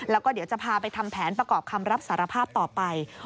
แล้วก็เดี๋ยวจะพาไปทำแผนประกอบคำรับสารภาพต่อไป